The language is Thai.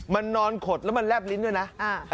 มันนอนขดแล้วมันแลบลิ้นด้วยนะ